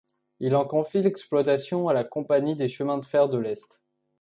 Il en confie l'exploitation à la compagnie des chemins de fer de l'Est.